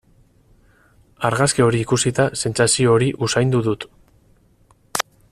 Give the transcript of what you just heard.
Argazki hori ikusita sentsazio hori usaindu dut.